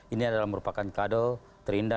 ini adalah merupakan kado terindah